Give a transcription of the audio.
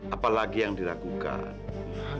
apalagi yang diragukan